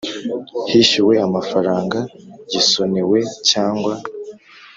Hishyuwe amafaranga gisonewe cyangwa